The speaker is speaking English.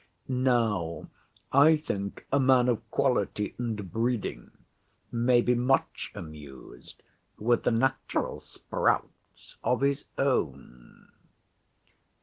Now I think a man of quality and breeding may be much amused with the natural sprouts of his own.